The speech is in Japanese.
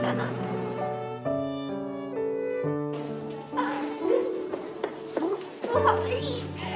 あっ！